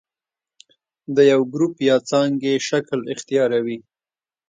د یو ګروپ یا څانګې شکل اختیاروي.